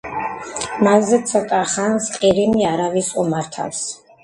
მასზე ცოტა ხანს ყირიმი არავის უმართავს.